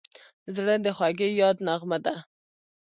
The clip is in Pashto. زړه د خوږې یاد نغمه ده.